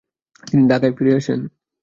তিনি ঢাকায় ফিরে আসেন।